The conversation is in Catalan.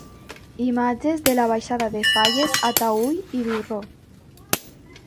Imatges de la baixada de falles a Taüll i Durro.